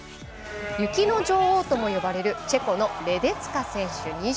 雪の女王とも呼ばれるチェコのレデツカ選手